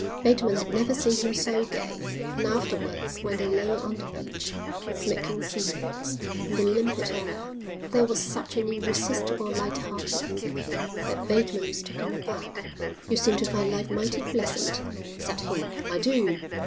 Bateman had never seen him so gay, and afterwards when they lay on the beach, smoking cigarettes, in the limpid air, there was such an irresistible light heartedness in him that Bateman was taken aback. "You seem to find life mighty pleasant," said he. "I do."